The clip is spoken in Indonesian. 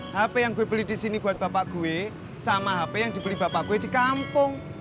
hp yang gue beli di sini buat bapak gue sama hp yang dibeli bapak gue di kampung